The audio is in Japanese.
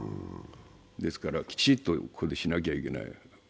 ですからきちっとしなきゃいけない。